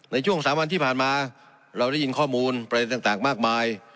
ในช่วง๓วันที่ผ่านมาเราได้ยินข้อมูลประเด็นต่างมากมาย